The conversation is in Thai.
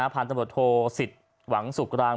ผ่านตำรวจโทสิทธิ์หวังสุกราง